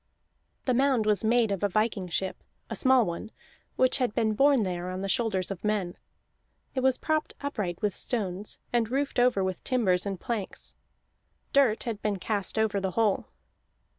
The mound was made of a viking ship, a small one, which had been borne there on the shoulders of men. It was propped upright with stones, and roofed over with timbers and planks; dirt had been cast over the whole.